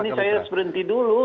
ini saya harus berhenti dulu